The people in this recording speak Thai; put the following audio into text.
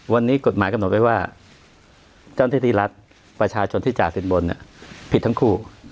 วันนี้กฎหมายกำหนดไว้ว่าเจ้าหน้าที่รัฐประชาชนที่จ่ายสินบนผิดทั้งคู่